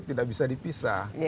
tidak bisa dipisah